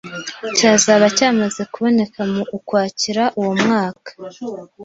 cyazaba cyamaze kuboneka mu Ukwakira uwo mwaka,